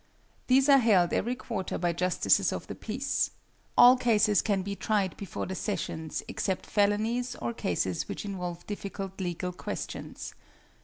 = These are held every quarter by Justices of the Peace. All cases can be tried before the sessions except felonies or cases which involve difficult legal questions.